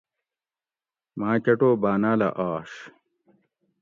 ماں کٹو بانالہ آش